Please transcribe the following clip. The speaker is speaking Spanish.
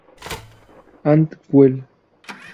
And Well?